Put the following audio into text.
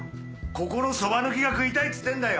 ここのそば抜きが食いたいっつってんだよ！